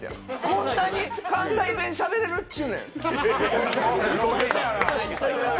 こんなに関西弁、しゃべれるっちゅうねん。